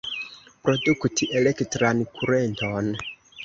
Produkti elektran kurenton.